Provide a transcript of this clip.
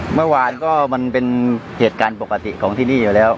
เมื่อวานก็มันเป็นเหตุการณ์ปกติของที่นี่อยู่แล้ว